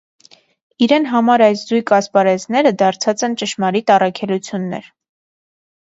Իրեն համար այս զոյգ ասպարէզները դարձած են ճշմարիտ առաքելութիւններ։